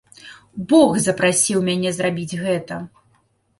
Бог запрасіў мяне зрабіць гэта.